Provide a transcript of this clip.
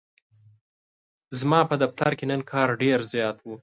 ځماپه دفترکی نن کار ډیرزیات و.